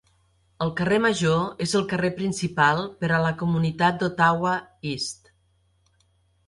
El Carrer Major és el "carrer principal" per a la comunitat d'Ottawa East.